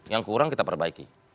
yang kurang kita perbaiki